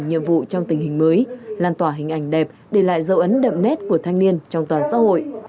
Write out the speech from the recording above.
nhiệm vụ trong tình hình mới lan tỏa hình ảnh đẹp để lại dấu ấn đậm nét của thanh niên trong toàn xã hội